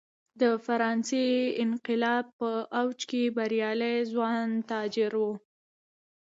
د فرانسې انقلاب په اوج کې بریالي ځوان تاجر و.